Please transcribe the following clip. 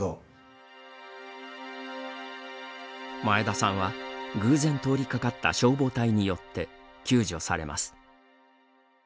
前田さんは偶然通りかかった消防隊によって救助されます。